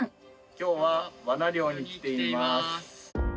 「今日は罠猟に来ています」